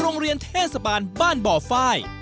โรงเรียนเทศบาลบ้านปฟ้าย